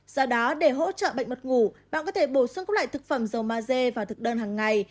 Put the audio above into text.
do đó để hỗ trợ bệnh mật ngủ bạn có thể bổ sung các loại thực phẩm dầu maze vào thực đơn hàng ngày